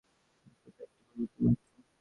মৃত্যু তো একটি পরিবর্তন মাত্র।